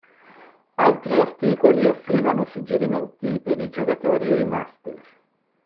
Altri articoli offrivano suggerimenti per i giocatori e i master.